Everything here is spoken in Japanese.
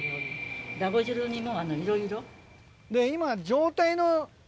だご汁にもいろいろ。